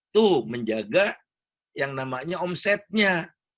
tuh menjaga yang namanya omsetnya